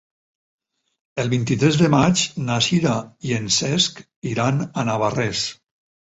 El vint-i-tres de maig na Sira i en Cesc iran a Navarrés.